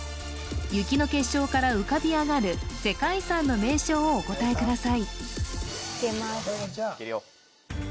雪の結晶から浮かび上がる世界遺産の名称をお答えください